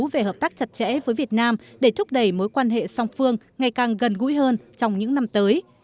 về hợp tác chặt chẽ với việt nam để thúc đẩy mối quan hệ song phương ngày càng gần gũi hơn trong những năm tới